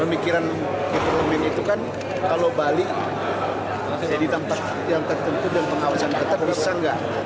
pemikiran di parlemen itu kan kalau bali jadi tempat yang tertentu dan pengawasan ketat bisa nggak